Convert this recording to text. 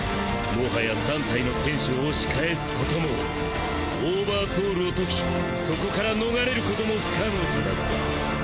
もはや３体の天使を押し返すこともオーバーソウルを解きそこから逃れることも不可能となった。